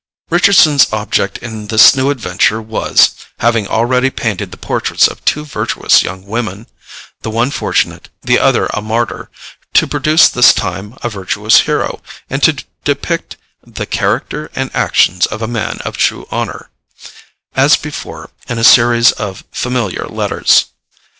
Richardson's object in this new adventure was, having already painted the portraits of two virtuous young women the one fortunate, the other a martyr to produce this time a virtuous hero, and to depict "the character and actions of a man of true honor," as before, in a series of familiar letters.